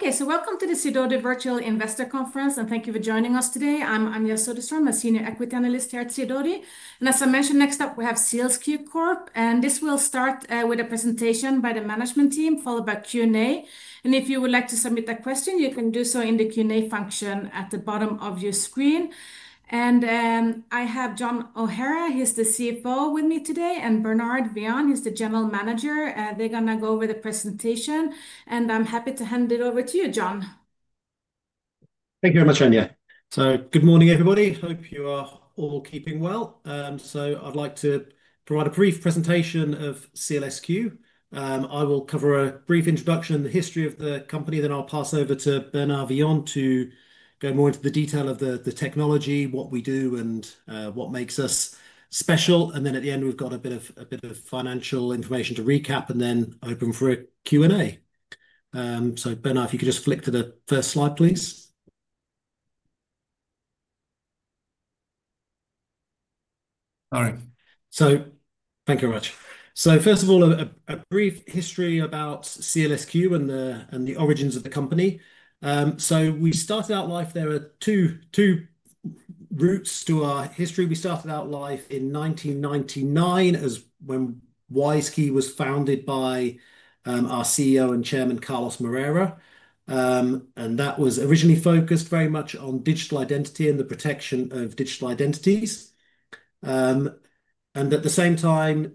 Okay, so welcome to the Sidoti Virtual Investor Conference, and thank you for joining us today. I'm Anja Soderstrom, a Senior Equity Analyst here at Sidoti. As I mentioned, next up we have SEALSQ, and this will start with a presentation by the management team, followed by Q&A. If you would like to submit a question, you can do so in the Q&A function at the bottom of your screen. I have John O'Hara, he's the CFO with me today, and Bernard Vian, he's the General Manager. They're going to go over the presentation, and I'm happy to hand it over to you, John. Thank you very much, Anja. Good morning, everybody. Hope you are all keeping well. I'd like to provide a brief presentation of SEALSQ. I will cover a brief introduction and the history of the company, then I'll pass over to Bernard Vian to go more into the detail of the technology, what we do, and what makes us special. At the end, we've got a bit of financial information to recap and then open for a Q&A. Bernard, if you could just flick to the first slide, please. All right. Thank you very much. First of all, a brief history about SEALSQ and the origins of the company. We started out life, there are two routes to our history. We started out life in 1999, as when WISeKey was founded by our CEO and Chairman Carlos Moreira. That was originally focused very much on digital identity and the protection of digital identities. At the same time,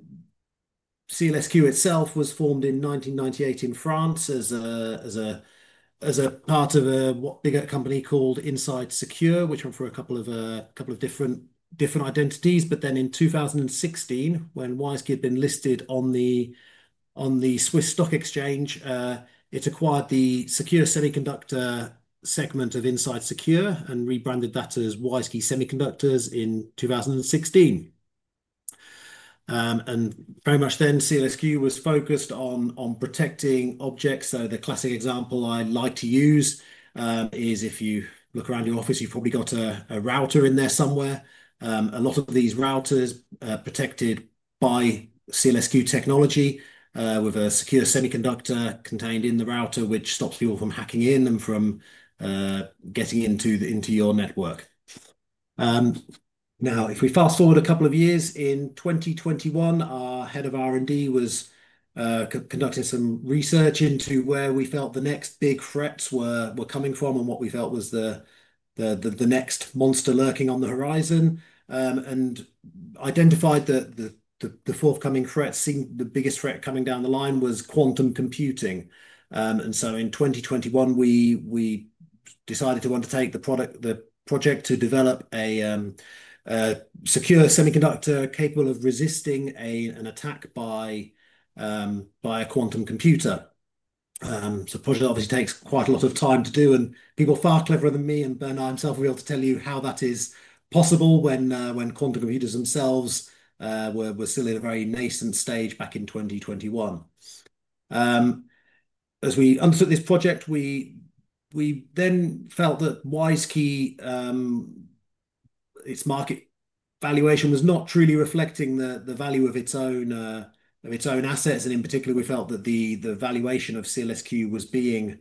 SEALSQ itself was formed in 1998 in France as a part of a bigger company called Inside Secure, which went for a couple of different identities. In 2016, when WISeKey had been listed on the Swiss stock exchange, it acquired the secure semiconductor segment of Inside Secure and rebranded that as WISeKey Semiconductors in 2016. Very much then, SEALSQ was focused on protecting objects. The classic example I like to use is if you look around your office, you've probably got a router in there somewhere. A lot of these routers are protected by SEALSQ technology with a secure semiconductor contained in the router, which stops people from hacking in and from getting into your network. If we fast forward a couple of years, in 2021, our Head of R&D was conducting some research into where we felt the next big threats were coming from and what we felt was the next monster lurking on the horizon and identified that the forthcoming threat, the biggest threat coming down the line was quantum computing. In 2021, we decided to undertake the project to develop a secure semiconductor capable of resisting an attack by a quantum computer. The project obviously takes quite a lot of time to do, and people far cleverer than me and Bernard himself will be able to tell you how that is possible when quantum computers themselves were still in a very nascent stage back in 2021. As we undertook this project, we then felt that WISeKey, its market valuation was not truly reflecting the value of its own assets. In particular, we felt that the valuation of SEALSQ was being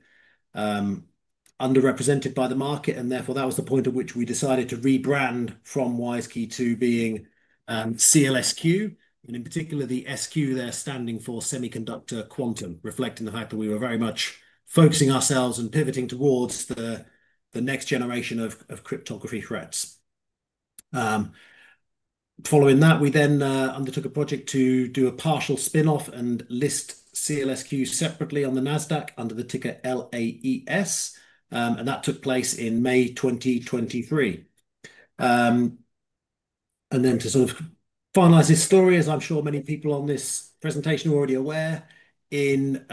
underrepresented by the market. Therefore, that was the point at which we decided to rebrand from WISeKey to being SEALSQ. In particular, the SQ there standing for semiconductor quantum, reflecting the fact that we were very much focusing ourselves and pivoting towards the next generation of cryptography threats. Following that, we then undertook a project to do a partial spinoff and list SEALSQ separately on the Nasdaq under the ticker LAES. That took place in May 2023. To sort of finalize this story, as I'm sure many people on this presentation are already aware, in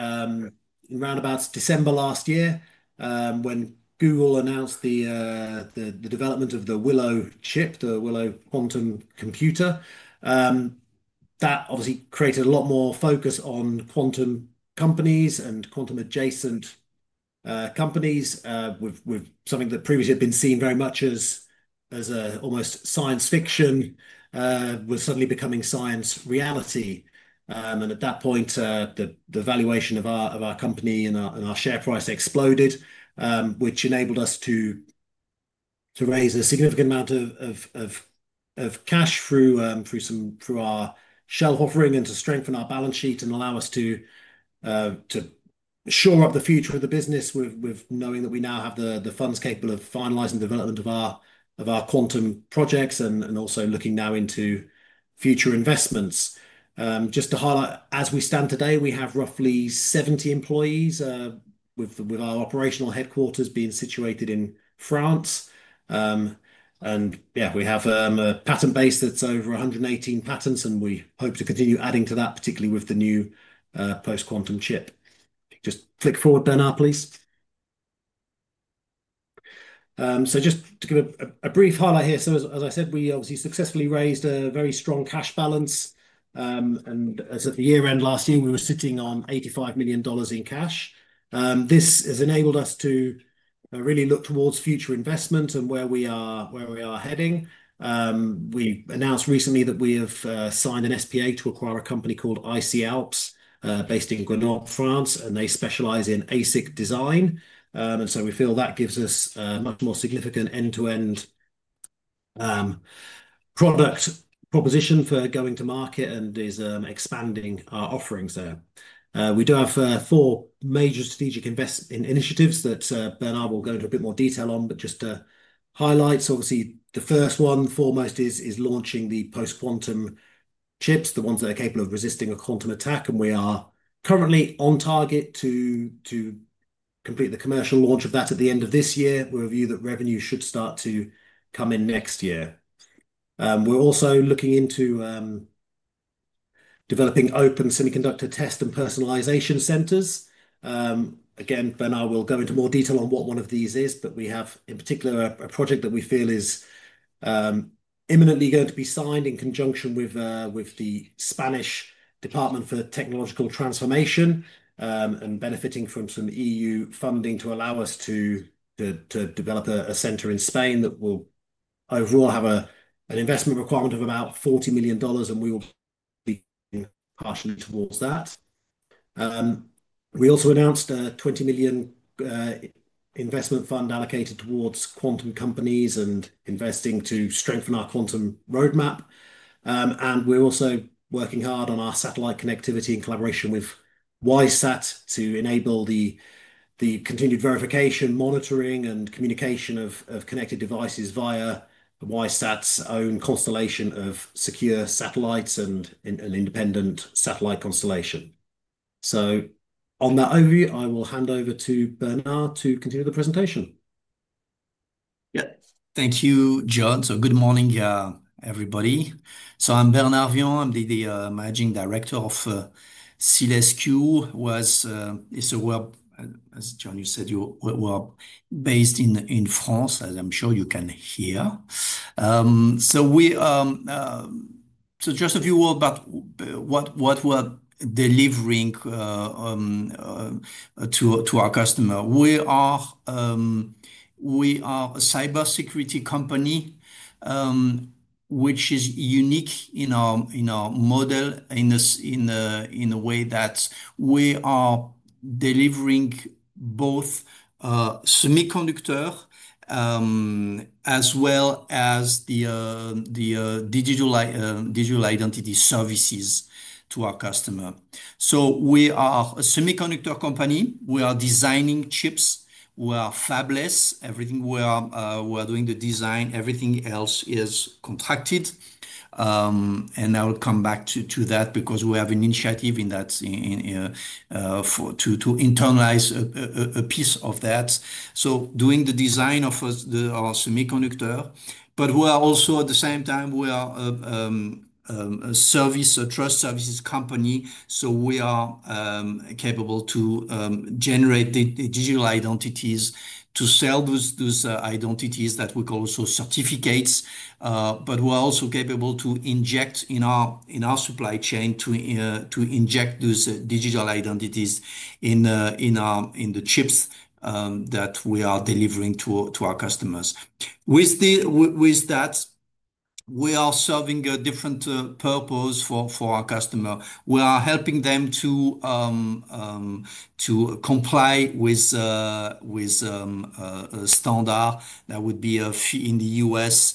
roundabout December last year, when Google announced the development of the Willow chip, the Willow quantum computer, that obviously created a lot more focus on quantum companies and quantum-adjacent companies with something that previously had been seen very much as almost science fiction was suddenly becoming science reality. At that point, the valuation of our company and our share price exploded, which enabled us to raise a significant amount of cash through our shell offering and to strengthen our balance sheet and allow us to shore up the future of the business with knowing that we now have the funds capable of finalizing the development of our quantum projects and also looking now into future investments. Just to highlight, as we stand today, we have roughly 70 employees with our operational headquarters being situated in France. We have a patent base that's over 118 patents, and we hope to continue adding to that, particularly with the new post-quantum chip. Just click forward there, now, please. Just to give a brief highlight here. As I said, we obviously successfully raised a very strong cash balance. As at the year-end last year, we were sitting on $85 million in cash. This has enabled us to really look towards future investments and where we are heading. We announced recently that we have signed an SPA to acquire a company called IC'Alps, based in Grenoble, France, and they specialize in ASIC design. We feel that gives us a much more significant end-to-end product proposition for going to market and is expanding our offerings there. We do have four major strategic initiatives that Bernard will go into a bit more detail on, but just to highlight, obviously, the first one foremost is launching the post-quantum chips, the ones that are capable of resisting a quantum attack. We are currently on target to complete the commercial launch of that at the end of this year. We'll review that revenue should start to come in next year. We're also looking into developing open semiconductor test and personalization centers. Again, Bernard will go into more detail on what one of these is, but we have in particular a project that we feel is imminently going to be signed in conjunction with the Spanish Department for Technological Transformation and benefiting from some EU funding to allow us to develop a center in Spain that will overall have an investment requirement of about $40 million, and we will be partially towards that. We also announced a $20 million investment fund allocated towards quantum companies and investing to strengthen our quantum roadmap. We're also working hard on our satellite connectivity in collaboration with WISeSat to enable the continued verification, monitoring, and communication of connected devices via WISeSat's own constellation of secure satellites and an independent satellite constellation. On that overview, I will hand over to Bernard to continue the presentation. Yeah, thank you, John. Good morning, everybody. I'm Bernard Vian, I'm the Managing Director of SEALSQ. It's a world, as John said, we're based in France, as I'm sure you can hear. Just a few words about what we're delivering to our customer. We are a cybersecurity company, which is unique in our model in a way that we are delivering both semiconductor as well as the digital identity services to our customer. We are a semiconductor company. We are designing chips. We are fabless, everything. We are doing the design. Everything else is contracted. I will come back to that because we have an initiative in that to internalize a piece of that. Doing the design of our semiconductor. At the same time, we are a trust services company. We are capable to generate the digital identities to sell those identities that we call also certificates. We are also capable to inject in our supply chain to inject those digital identities in the chips that we are delivering to our customers. With that, we are serving a different purpose for our customer. We are helping them to comply with a standard that would be in the U.S.,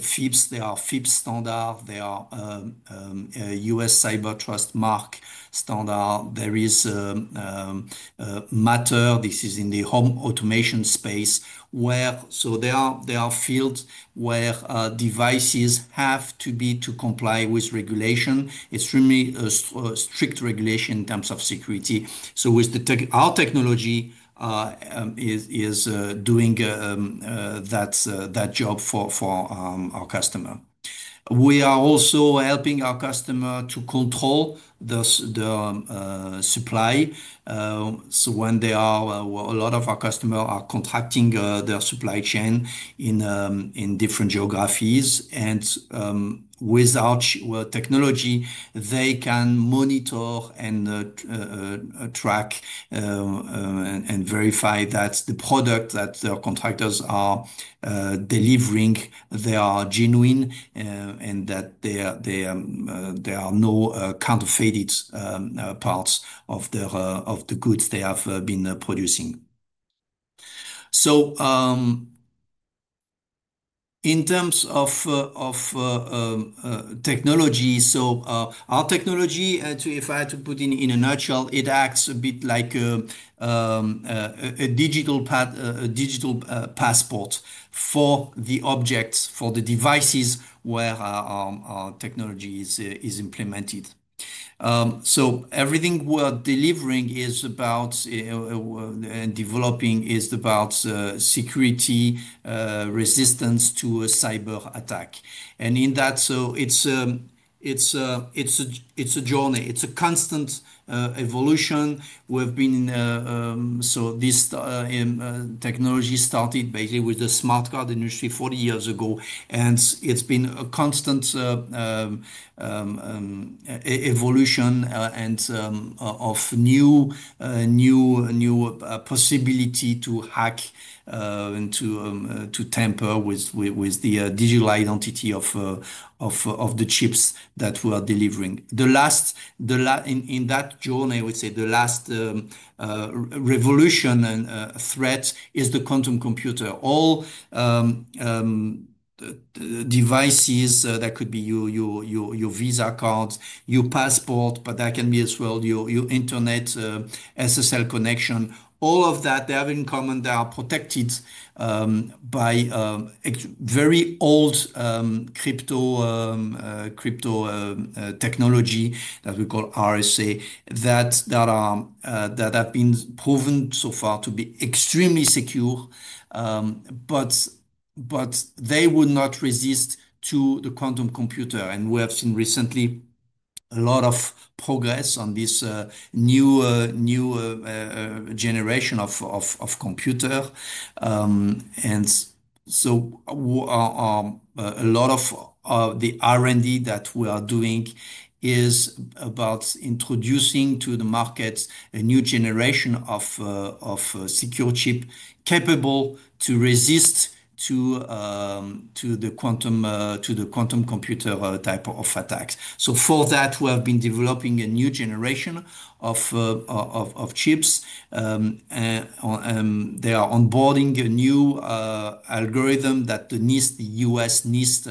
FIPS. There are FIPS standards. There are U.S. Cyber Trust Mark standards. There is Matter. This is in the home automation space. There are fields where devices have to be to comply with regulation, extremely strict regulation in terms of security. Our technology is doing that job for our customer. We are also helping our customer to control the supply. When a lot of our customers are contracting their supply chain in different geographies, with our technology, they can monitor and track and verify that the product that their contractors are delivering is genuine, and that there are no counterfeited parts of the goods they have been producing. In terms of technology, our technology, if I had to put it in a nutshell, acts a bit like a digital passport for the objects, for the devices where our technology is implemented. Everything we are delivering and developing is about security resistance to a cyber attack. It is a journey. It is a constant evolution. This technology started basically with the smart card industry 40 years ago, and it has been a constant evolution of new possibility to hack and to tamper with the digital identity of the chips that we are delivering. In that journey, I would say the last revolution and threat is the quantum computer. All devices that could be your Visa card, your passport, but that can be as well your internet SSL connection. All of that, they have in common they are protected by very old crypto technology that we call RSA that have been proven so far to be extremely secure, but they would not resist to the quantum computer. We have seen recently a lot of progress on this new generation of computer. A lot of the R&D that we are doing is about introducing to the market a new generation of secure chip capable to resist to the quantum computer type of attacks. For that, we have been developing a new generation of chips. They are onboarding a new algorithm that the U.S. NIST,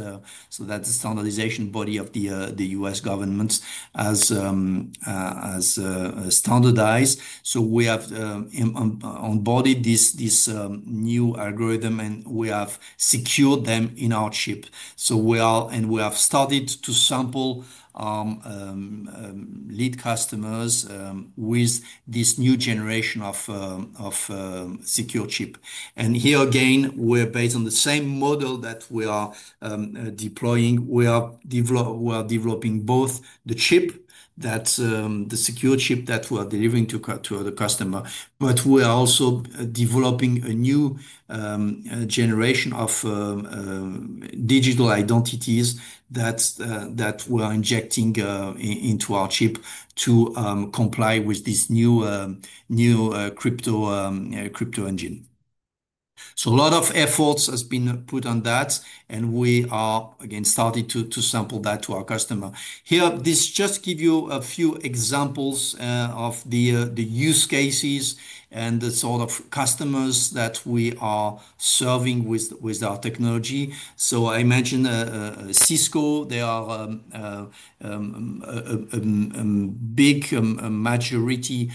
so that's the standardization body of the U.S. government, has standardized. We have onboarded this new algorithm, and we have secured them in our chip. We have started to sample lead customers with this new generation of secure chip. Here again, we're based on the same model that we are deploying. We are developing both the chip, the secure chip that we are delivering to the customer, but we are also developing a new generation of digital identities that we are injecting into our chip to comply with this new crypto engine. A lot of efforts have been put on that, and we are, again, starting to sample that to our customer. Here, this just gives you a few examples of the use cases and the sort of customers that we are serving with our technology. I mentioned Cisco. They are a big majority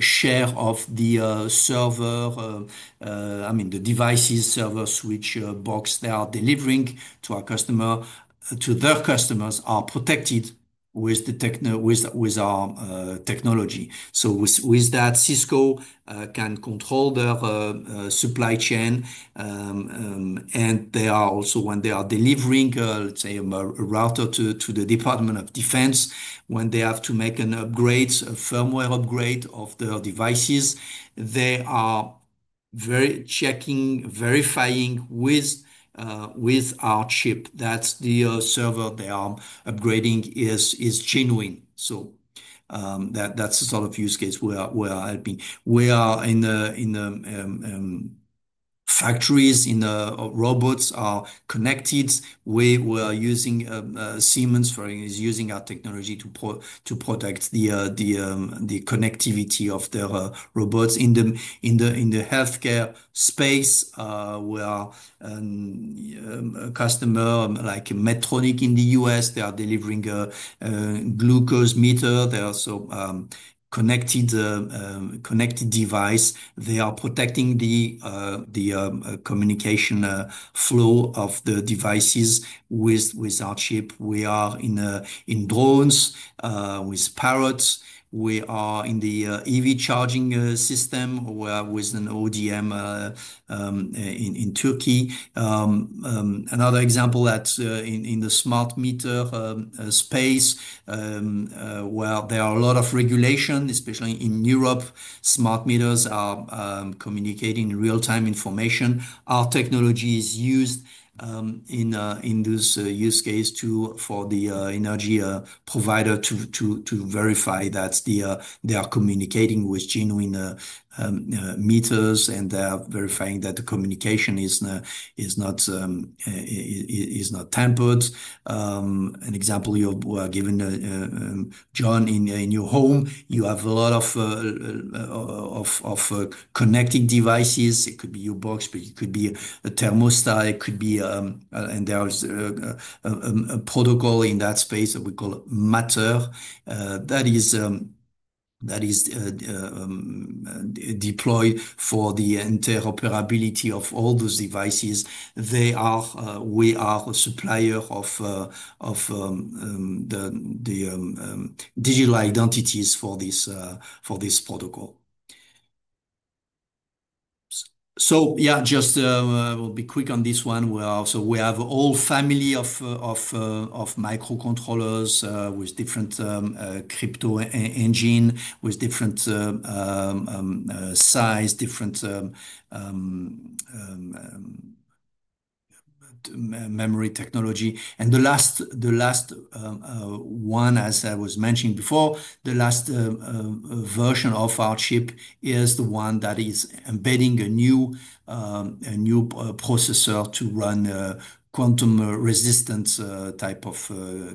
share of the server, I mean, the devices, server switch box they are delivering to our customer, to their customers, are protected with our technology. With that, Cisco can control their supply chain. They are also, when they are delivering, let's say, a router to the Department of Defense, when they have to make an upgrade, a firmware upgrade of their devices, they are very checking, verifying with our chip that the server they are upgrading is genuine. That's the sort of use case we are helping. We are in factories in robots are connected. We are using Siemens, for example, is using our technology to protect the connectivity of their robots. In the healthcare space, we are a customer like Medtronic in the U.S. They are delivering a glucose meter. They are also connected device. They are protecting the communication flow of the devices with our chip. We are in drones with Parrot. We are in the EV charging system with an ODM in Turkey. Another example that's in the smart meter space, where there are a lot of regulations, especially in Europe, smart meters are communicating real-time information. Our technology is used in this use case for the energy provider to verify that they are communicating with genuine meters and they are verifying that the communication is not tampered. An example you were given, John, in your home, you have a lot of connecting devices. It could be your box, but it could be a thermostat. It could be a protocol in that space that we call Matter that is deployed for the interoperability of all those devices. We are a supplier of the digital identities for this protocol. Yeah, just I will be quick on this one. We have a whole family of microcontrollers with different crypto engine, with different size, different memory technology. The last one, as I was mentioning before, the last version of our chip is the one that is embedding a new processor to run quantum-resistant type of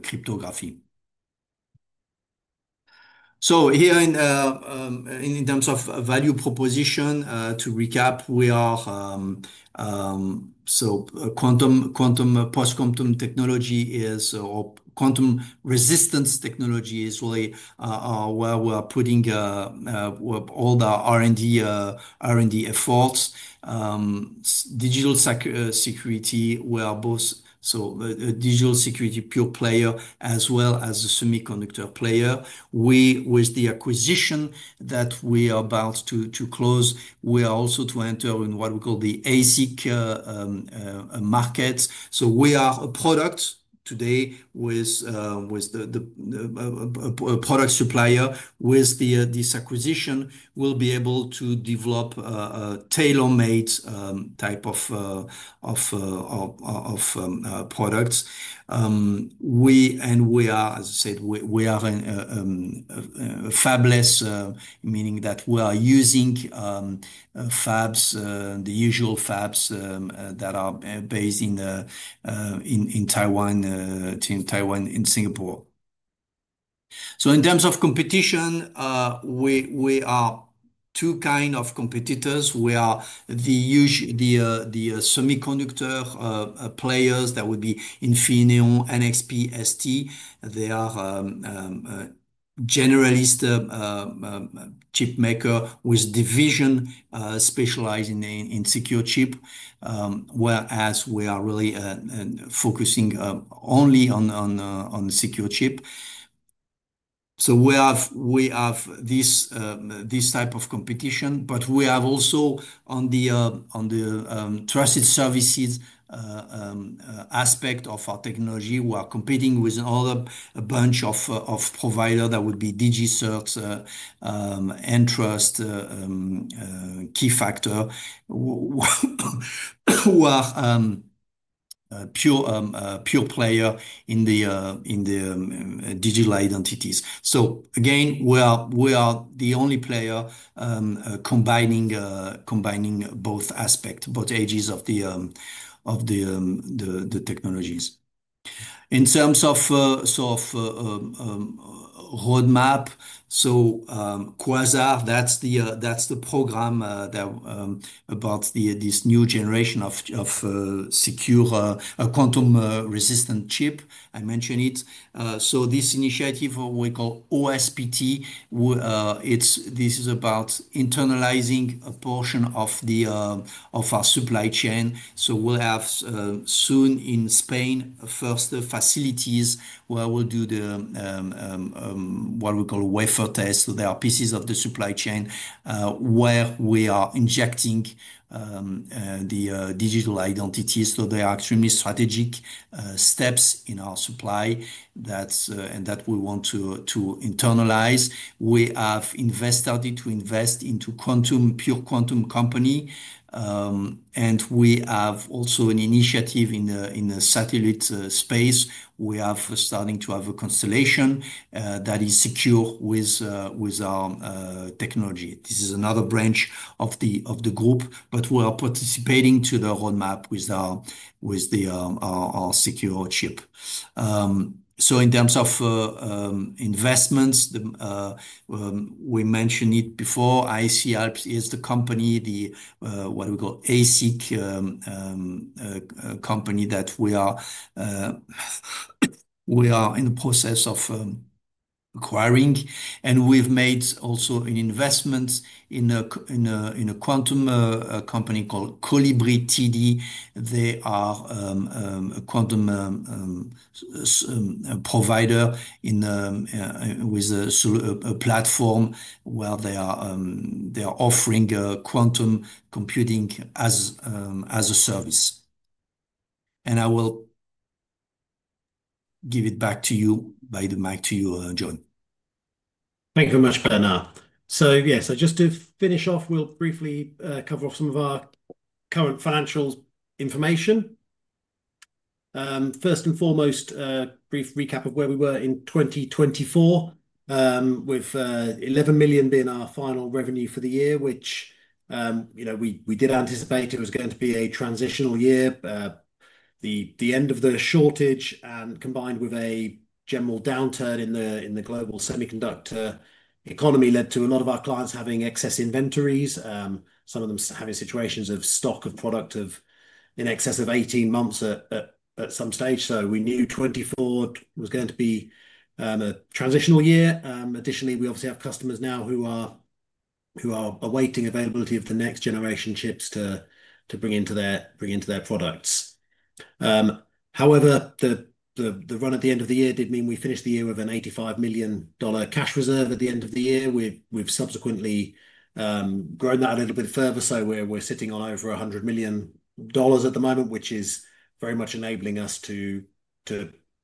cryptography. Here in terms of value proposition, to recap, we are so quantum post-quantum technology is or quantum-resistance technology is really where we are putting all the R&D efforts. Digital security, we are both so digital security pure player as well as the semiconductor player. With the acquisition that we are about to close, we are also to enter in what we call the ASIC market. We are a product today with the product supplier. With this acquisition, we'll be able to develop tailor-made type of products. We are, as I said, fabless, meaning that we are using fabs, the usual fabs that are based in Taiwan and Singapore. In terms of competition, we have two kinds of competitors. We have the semiconductor players that would be Infineon, NXP, ST. They are generalist chip makers with divisions specialized in secure chip, whereas we are really focusing only on secure chip. We have this type of competition, but we have also, on the trusted services aspect of our technology, we are competing with a bunch of providers that would be DigiCert, Entrust, Keyfactor. We are a pure player in the digital identities. We are the only player combining both aspects, both edges of the technologies. In terms of roadmap, Quasar, that's the program about this new generation of secure quantum-resistant chip. I mentioned it. This initiative we call OSPT, this is about internalizing a portion of our supply chain. We'll have soon in Spain first facilities where we'll do what we call wafer tests. There are pieces of the supply chain where we are injecting the digital identities. They are extremely strategic steps in our supply and that we want to internalize. We have started to invest into pure quantum company. We have also an initiative in the satellite space. We are starting to have a constellation that is secure with our technology. This is another branch of the group, but we are participating to the roadmap with our secure chip. In terms of investments, we mentioned it before. IC'Alps is the company, what we call ASIC company that we are in the process of acquiring. We've made also an investment in a quantum company called ColibriTD. They are a quantum provider with a platform where they are offering quantum computing as a service. I will give it back to you by the mic to you, John. Thank you very much, Bernard. Yes, just to finish off, we'll briefly cover off some of our current financial information. First and foremost, brief recap of where we were in 2024 with $11 million being our final revenue for the year, which we did anticipate was going to be a transitional year. The end of the shortage combined with a general downturn in the global semiconductor economy led to a lot of our clients having excess inventories, some of them having situations of stock of product in excess of 18 months at some stage. We knew 2024 was going to be a transitional year. Additionally, we obviously have customers now who are awaiting availability of the next generation chips to bring into their products. However, the run at the end of the year did mean we finished the year with an $85 million cash reserve at the end of the year. We have subsequently grown that a little bit further. We are sitting on over $100 million at the moment, which is very much enabling us to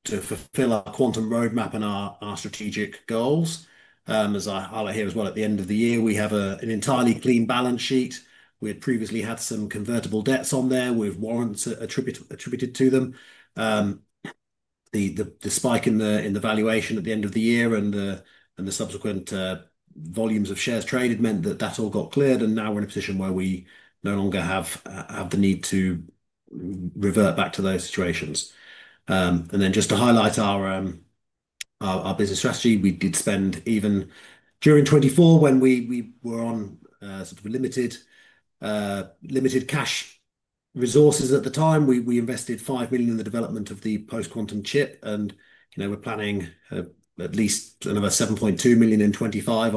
fulfill our quantum roadmap and our strategic goals. As I will hear as well at the end of the year, we have an entirely clean balance sheet. We had previously had some convertible debts on there with warrants attributed to them. The spike in the valuation at the end of the year and the subsequent volumes of shares traded meant that that all got cleared. Now we are in a position where we no longer have the need to revert back to those situations. Just to highlight our business strategy, we did spend even during 2024 when we were on sort of limited cash resources at the time. We invested $5 million in the development of the post-quantum chip. We are planning at least $7.2 million in 2025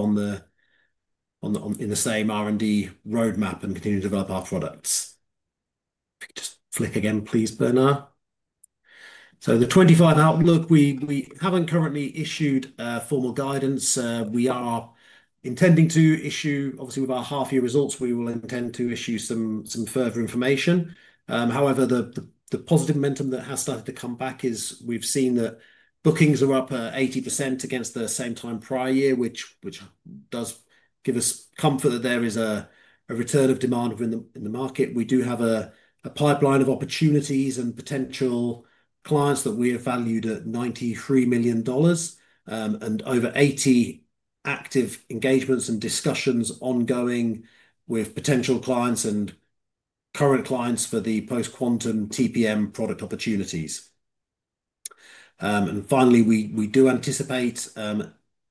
in the same R&D roadmap and continue to develop our products. Just flick again, please, Bernard. The 2025 outlook, we have not currently issued formal guidance. We are intending to issue, obviously, with our half-year results, we will intend to issue some further information. However, the positive momentum that has started to come back is we have seen that bookings are up 80% against the same time prior year, which does give us comfort that there is a return of demand in the market. We do have a pipeline of opportunities and potential clients that we have valued at $93 million and over 80 active engagements and discussions ongoing with potential clients and current clients for the post-quantum TPM product opportunities. Finally, we do anticipate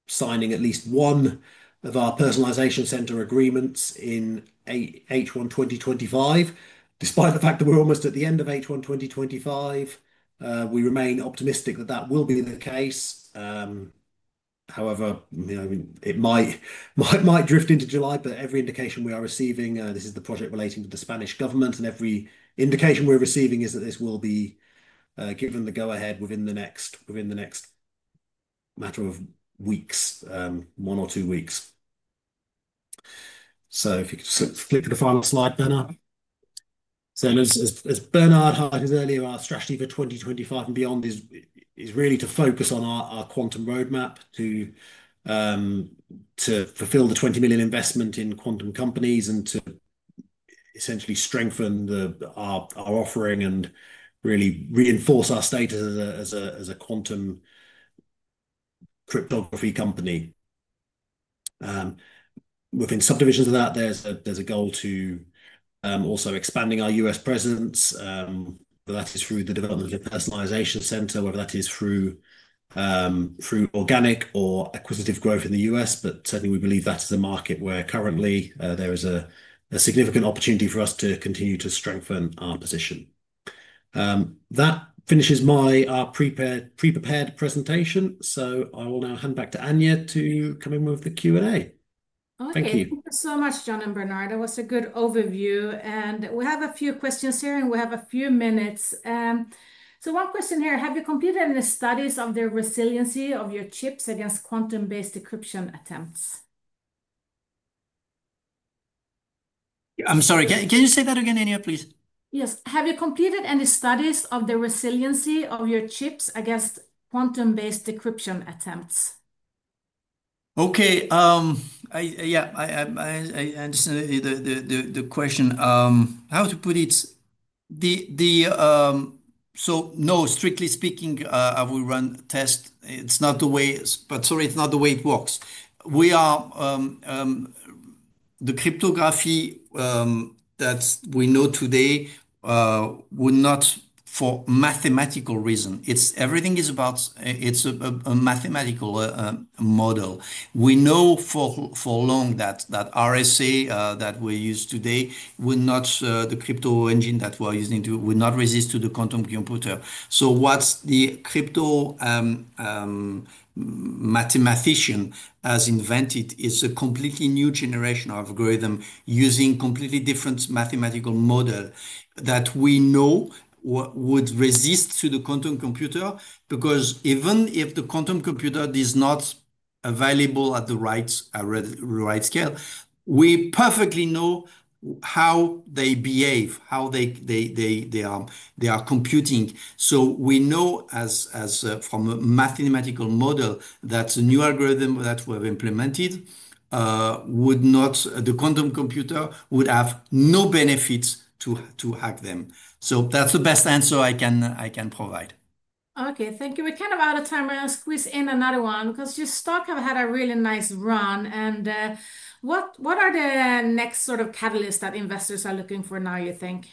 signing at least one of our personalization center agreements in the first half of 2025. Despite the fact that we are almost at the end of the first half of 2025, we remain optimistic that that will be the case. However, it might drift into July, but every indication we are receiving, this is the project relating to the Spanish government, and every indication we are receiving is that this will be given the go-ahead within the next matter of weeks, one or two weeks. If you could just click to the final slide, Bernard. As Bernard highlighted earlier, our strategy for 2025 and beyond is really to focus on our quantum roadmap to fulfill the $20 million investment in quantum companies and to essentially strengthen our offering and really reinforce our status as a quantum cryptography company. Within subdivisions of that, there is a goal to also expand our U.S. presence, whether that is through the development of the personalization center, whether that is through organic or acquisitive growth in the U.S. Certainly, we believe that is a market where currently there is a significant opportunity for us to continue to strengthen our position. That finishes my pre-prepared presentation. I will now hand back to Anja to come in with the Q&A. Thank you. Thank you so much, John and Bernard. That was a good overview. We have a few questions here and we have a few minutes. One question here. Have you completed any studies of the resiliency of your chips against quantum-based decryption attempts? I'm sorry. Can you say that again, Anja, please? Yes. Have you completed any studies of the resiliency of your chips against quantum-based decryption attempts? Okay. Yeah. I understand the question. How to put it? No, strictly speaking, I will run tests. It's not the way, but sorry, it's not the way it works. The cryptography that we know today would not, for mathematical reason. Everything is about, it's a mathematical model. We know for long that RSA that we use today would not, the crypto engine that we're using would not resist to the quantum computer. What the crypto mathematician has invented is a completely new generation of algorithm using a completely different mathematical model that we know would resist to the quantum computer because even if the quantum computer is not available at the right scale, we perfectly know how they behave, how they are computing. We know from a mathematical model that the new algorithm that we have implemented, the quantum computer would have no benefit to hack them. That's the best answer I can provide. Okay. Thank you. We're kind of out of time. We're going to squeeze in another one because your stock has had a really nice run. What are the next sort of catalysts that investors are looking for now, you think?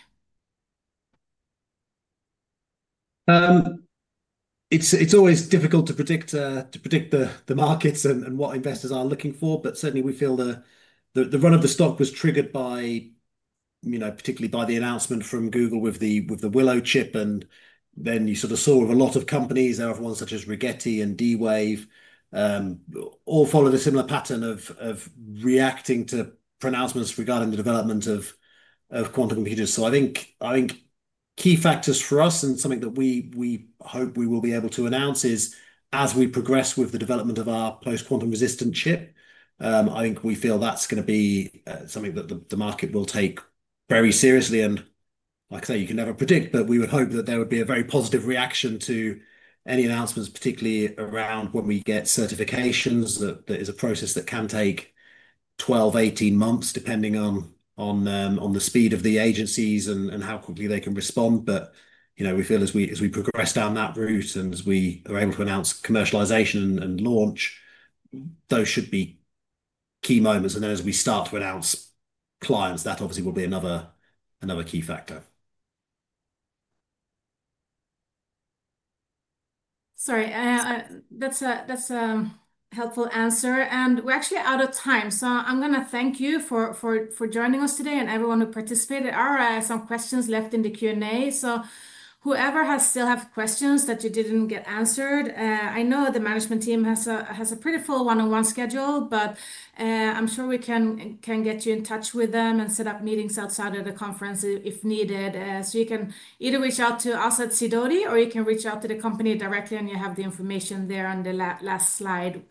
It's always difficult to predict the markets and what investors are looking for. Certainly, we feel the run of the stock was triggered particularly by the announcement from Google with the Willow chip. You sort of saw a lot of companies, everyone such as Rigetti and D-Wave, all followed a similar pattern of reacting to pronouncements regarding the development of quantum computers. I think key factors for us and something that we hope we will be able to announce is as we progress with the development of our post-quantum resistant chip, I think we feel that's going to be something that the market will take very seriously. Like I say, you can never predict, but we would hope that there would be a very positive reaction to any announcements, particularly around when we get certifications. There is a process that can take 12-18 months depending on the speed of the agencies and how quickly they can respond. We feel as we progress down that route and as we are able to announce commercialization and launch, those should be key moments. As we start to announce clients, that obviously will be another key factor. Sorry. That's a helpful answer. We're actually out of time. I'm going to thank you for joining us today and everyone who participated. There are some questions left in the Q&A. Whoever still has questions that you did not get answered, I know the management team has a pretty full one-on-one schedule, but I'm sure we can get you in touch with them and set up meetings outside of the conference if needed. You can either reach out to us at Sidoti, or you can reach out to the company directly, and you have the information there on the last slide.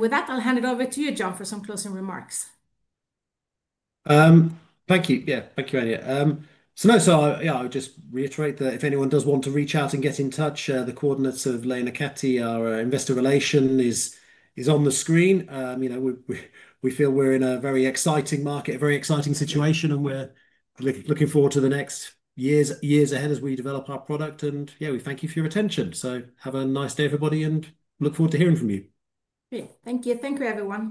With that, I'll hand it over to you, John, for some closing remarks. Thank you. Yeah. Thank you, Anja. Yeah, I'll just reiterate that if anyone does want to reach out and get in touch, the coordinates of Lana Aati, our investor relation, is on the screen. We feel we're in a very exciting market, a very exciting situation, and we're looking forward to the next years ahead as we develop our product. Yeah, we thank you for your attention. Have a nice day, everybody, and look forward to hearing from you. Great. Thank you. Thank you, everyone.